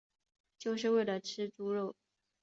就是为了吃猪肉